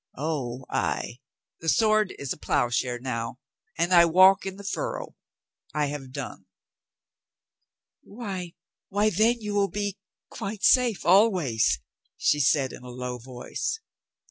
"O, ay, the sword is a plowshare now and I walk in the furrow. I have done." "Why, why, then, you will be — quite safe — al ways," she said in a low voice.